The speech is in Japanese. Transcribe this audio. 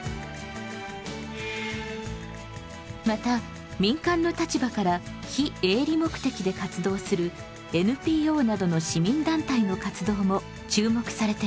また民間の立場から非営利目的で活動するＮＰＯなどの市民団体の活動も注目されています。